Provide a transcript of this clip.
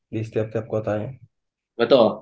di setiap tiap kotanya